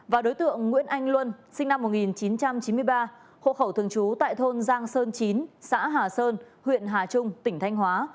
và đối tượng nguyễn anh luân sinh năm một nghìn chín trăm chín mươi ba hộ khẩu thường trú tại thôn giang sơn chín xã hà sơn huyện hà trung tỉnh thanh hóa